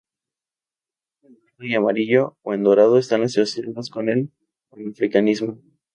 Los colores verde y amarillo o dorado están asociados con el Panafricanismo.